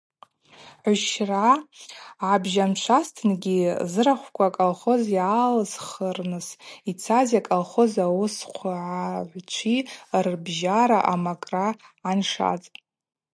Гӏвщра гӏарбжьамшвазтынгьи, зырахвква аколхоз йгӏалызххырныс йцази аколхоз ауыснкъвгагӏвчви рбжьара амакӏра гӏаншатӏ.